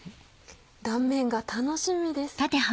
断面が楽しみです。